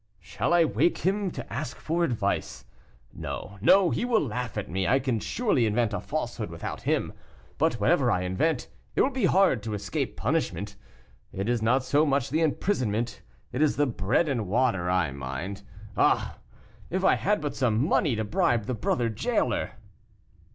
"Shall I wake him to ask for advice? No, no, he will laugh at me; I can surely invent a falsehood without him. But whatever I invent, it will be hard to escape punishment. It is not so much the imprisonment, it is the bread and water I mind. Ah! if I had but some money to bribe the brother jailer."